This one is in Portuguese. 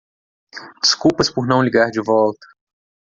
Desculpas por não ligar de volta.